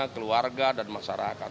keluarga dan masyarakat